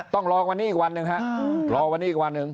ต้องรอวันนี้อีกวันหนึ่งฮะรอวันนี้อีกวันหนึ่ง